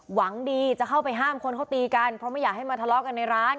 หวังดีจะเข้าไปห้ามคนเขาตีกันเพราะไม่อยากให้มาทะเลาะกันในร้าน